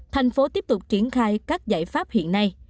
thành phố tiếp tục triển khai các giải pháp hiện nay